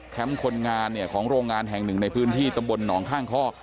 คนงานเนี่ยของโรงงานแห่งหนึ่งในพื้นที่ตำบลหนองข้างคอก